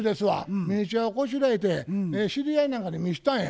ミニチュアをこしらえて知り合いなんかに見したんや。